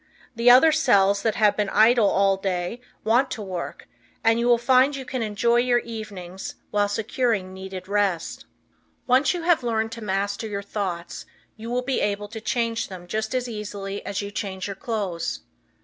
The other cells that have been idle all day want to work, and you will find you can enjoy your evenings while securing needed rest. When once you have learned to master your thoughts, you will be able to change them just as easily as you change your clothes.